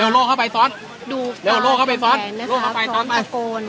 เร็วโล่เข้าไปซ้อนดูเร็วโล่เข้าไปซ้อนโล่เข้าไปซ้อนประโปรน